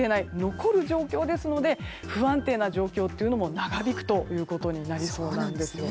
残る状況ですので不安定な状況というのも長引くことになりそうなんです。